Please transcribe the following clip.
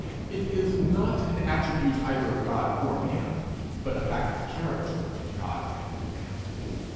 It is not an attribute either of God or man, but a fact of character in God and in man.